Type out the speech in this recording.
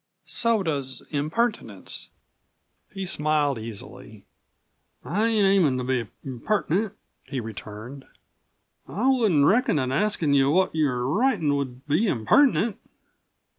So does impertinence." He smiled easily. "I ain't aimin' to be impertinent," he returned. "I wouldn't reckon that askin' you what you are writin' would be impertinent.